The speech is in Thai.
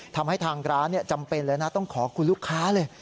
ทำให้ทางร้านจำเป็นเลยนะต้องขอบคุณลูกค้าเลย